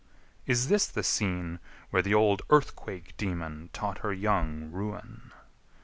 Is this the scene Where the old Earthquake daemon taught her young Ruin?